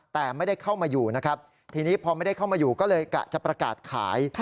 แต่ไม่ได้เข้ามาอยู่นะครับทีนี้พอไม่ได้เข้ามาอยู่ก็เลยกะจะประกาศขาย